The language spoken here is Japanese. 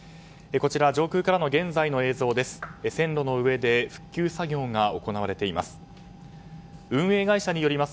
こちらは上空からの現在の映像です。